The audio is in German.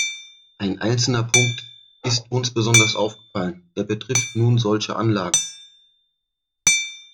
Ein einzelner Punkt ist uns besonders aufgefallen, der betrifft nun solche Anlagen.